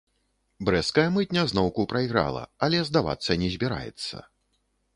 Брэсцкая мытня зноўку прайграла, але здавацца не збіраецца.